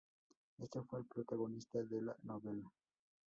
Este fue el protagonista de la novela.